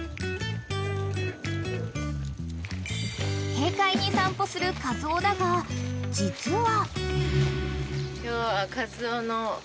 ［軽快に散歩するカズオだが実は］